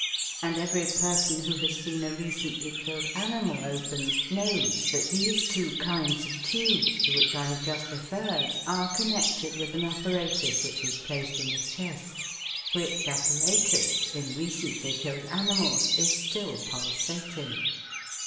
And every person who has seen a recently killed animal opened knows that these two kinds of tubes to which I have just referred, are connected with an apparatus which is placed in the chest, which apparatus, in recently killed animals, is still pulsating.